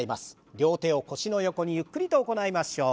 両手を腰の横にゆっくりと行いましょう。